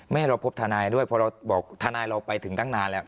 ให้เราพบทนายด้วยเพราะเราบอกทนายเราไปถึงตั้งนานแล้ว